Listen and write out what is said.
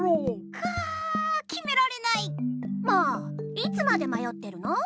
いつまでまよってるの？